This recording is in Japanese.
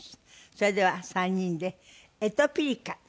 それでは３人で『エトピリカ』です。